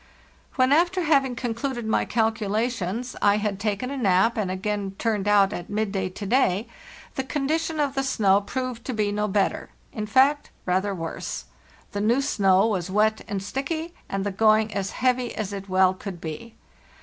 "When, after having concluded my calculations, I had 270 WAR TE fet NORTH taken a nap and again turned out at midday to day, the condition of the snow proved to be no better; in fact, rather worse. The new snow was wet and sticky and the going as heavy as it well could be.